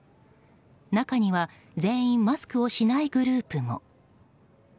中には全員マスクをしないグループも。